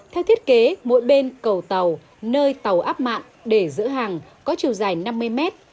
theo thiết kế mỗi bên cầu tàu nơi tàu áp mạng để giữ hàng có chiều dài năm mươi mét